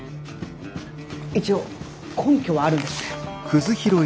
一応根拠はあるんです。